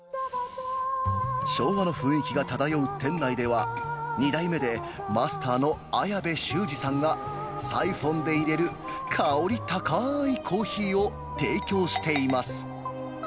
昭和の雰囲気が漂う店内では、２代目でマスターの綾部修治さんが、サイフォンでいれる香り高いコーヒーを提供しています。